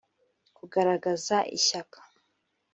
kugaragaza ishyaka